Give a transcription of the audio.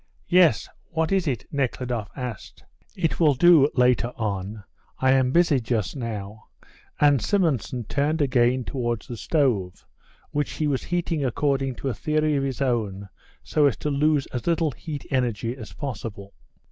"Yes; what is it?" Nekhludoff asked. "It will do later on; I am busy just now," and Simonson turned again towards the stove, which he was heating according to a theory of his own, so as to lose as little heat energy as possible.